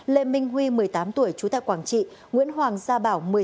lê minh huy một mươi tám tuổi trú tại quảng trị nguyễn hoàng gia bảo